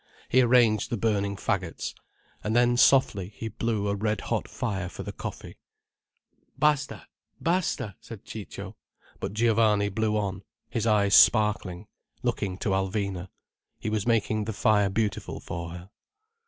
He arranged the burning faggots. And then softly he blew a red hot fire for the coffee. "Basta! Basta!" said Ciccio. But Giovanni blew on, his eyes sparkling, looking to Alvina. He was making the fire beautiful for her.